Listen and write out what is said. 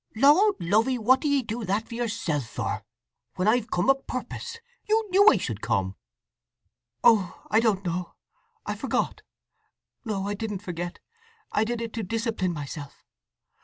"Lord love 'ee, what do ye do that yourself for, when I've come o' purpose! You knew I should come." "Oh—I don't know—I forgot! No, I didn't forget. I did it to discipline myself.